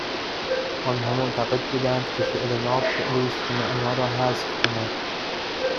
آنها معتقد بودند که شعر ناب شعریست که معنا را حذف کند